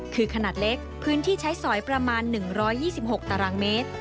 คือขนาดเล็กพื้นที่ใช้สอยประมาณ๑๒๖ตารางเมตร